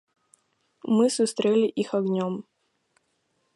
Мы сустрэлі іх агнём.